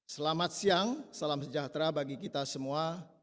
selamat siang salam sejahtera bagi kita semua